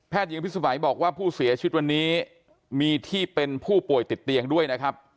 หญิงพิสมัยบอกว่าผู้เสียชีวิตวันนี้มีที่เป็นผู้ป่วยติดเตียงด้วยนะครับ